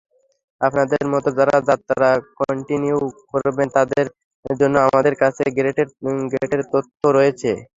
আপনাদের মধ্যে যারা যাত্রা কন্টিনিউ করবেন তাদের জন্য আমাদের কাছে গেটের তথ্য রয়েছে।